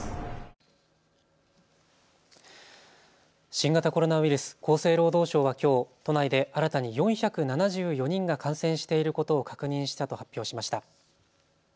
新型コロナウイルス、厚生労働省はきょう都内で新たに４７４人が感染していることを確認したと発表しました。